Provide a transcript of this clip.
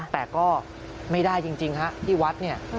แต่ก็ไม่ได้จริงฮะที่วัดเนี่ย